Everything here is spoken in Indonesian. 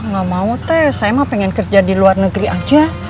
gak mau teh saya mah pengen kerja di luar negeri aja